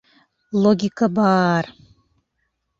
Логика бар.